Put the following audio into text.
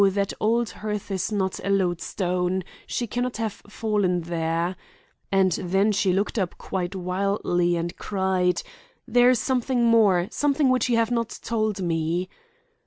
That old hearth is not a lodestone. She can not have fallen there.' And then she looked up quite wildly and cried: 'There is something more! Something which you have not told me.